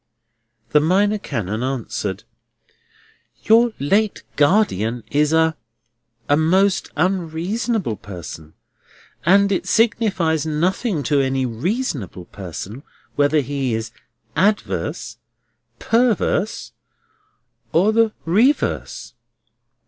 The Minor Canon answered: "Your late guardian is a—a most unreasonable person, and it signifies nothing to any reasonable person whether he is _ad_verse, _per_verse, or the _re_verse."